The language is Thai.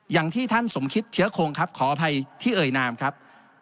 อย่างที่ท่านสมคิดเชื้อคงครับขออภัยที่เอ่ยนามครับ